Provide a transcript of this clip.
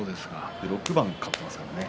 ６番勝っていますからね。